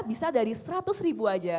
bisa dari seratus ribu aja